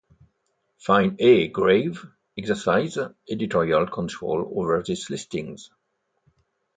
Find A Grave exercises editorial control over these listings.